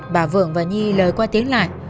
bà vượng và nhi lời qua tiếng lại